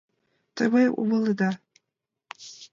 Те мыйым умыледа.